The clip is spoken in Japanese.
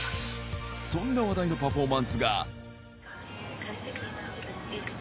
そんな話題のパフォーマンスが。